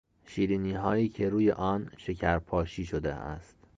شیرینیهایی که روی آن شکر پاشی شده است